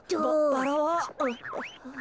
バラは？あ。